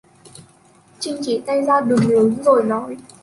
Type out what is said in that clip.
Trinh chỉ tay ra đường lớn rồi nói